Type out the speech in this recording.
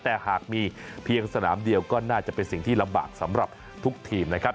แต่หากมีเพียงสนามเดียวก็น่าจะเป็นสิ่งที่ลำบากสำหรับทุกทีมนะครับ